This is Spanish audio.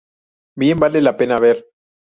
Bien vale la pena ver".